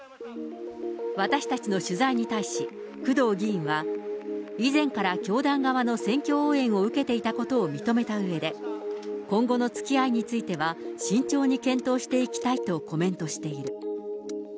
私たちの取材に対し、工藤議員は、以前から教団側の選挙応援を受けていたことを認めたうえで、今後のつきあいについては、慎重に検討していきたいとコメントしている。